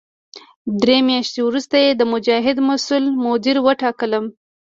درې میاشتې وروسته یې د مجاهد مسوول مدیر وټاکلم.